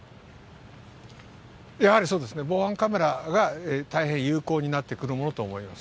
やはりそうですね、防犯カメラが、大変有効になってくるものと思います。